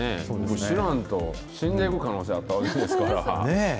知らんと死んでいく可能性あったわけですから。